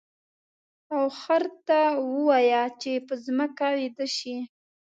او خر ته ووایه چې په ځمکه ویده شي.